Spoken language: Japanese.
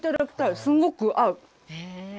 すごく合う。